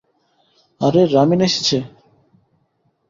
আরে, রামিন এসেছে!